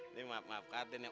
ini maaf maaf kak aden